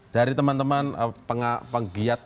dari teman teman penggiat